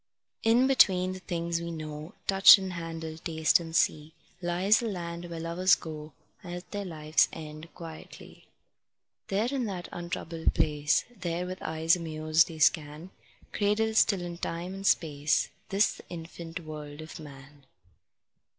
In between the things we know, Touch and handle, taste and see, Lies the land where lovers go At their life's end quietly. There, in that untroubled place, There, with eyes amused, they scan, Cradled still in time and space, This, the infant world of man.